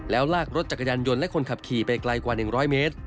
แล้วลากรถจักรยานยนต์และคนขับขี่ไปไกลกว่า๑๐๐เมตร